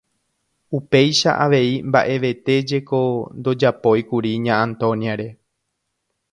Upéicha avei mba'evete jeko ndojapóikuri Ña Antonia-re.